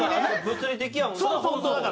物理的やもんな。